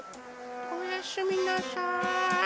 おやすみなさい。